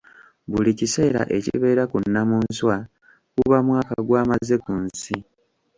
Buli kiseera ekibeera ku nnamunswa guba mwaka gw'amaze ku nsi.